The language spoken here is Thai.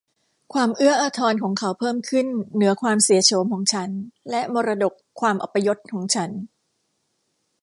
ความเอื้ออาทรของเขาเพิ่มขึ้นเหนือความเสียโฉมของฉันและมรดกความอัปยศของฉัน